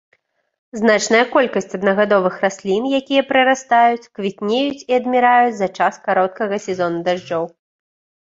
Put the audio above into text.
Значная колькасць аднагадовых раслін, якія прарастаюць, квітнеюць і адміраюць за час кароткага сезона дажджоў.